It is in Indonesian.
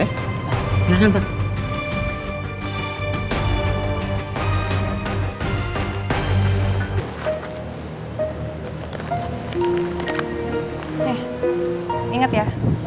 nih inget ya